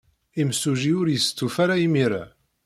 Imsujji ur yestufa ara imir-a.